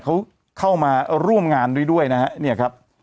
เขาเข้ามาร่วมงานด้วยด้วยนะฮะเนี่ยครับ